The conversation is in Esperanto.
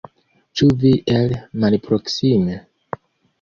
Ĉu vi el malproksime?